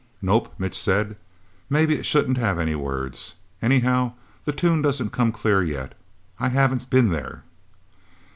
"Nope," Mitch said. "Maybe it shouldn't have any words. Anyhow, the tune doesn't come clear, yet. I haven't been There."